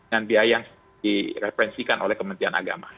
dan biaya yang direferensikan oleh kementerian agama